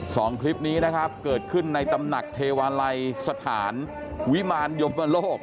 สองคลิปนี้นะครับเกิดขึ้นในตำหนักเทวาลัยสถานวิมารยมโลก